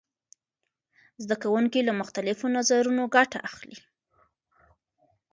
زده کوونکي له مختلفو نظرونو ګټه اخلي.